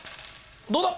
どうだ？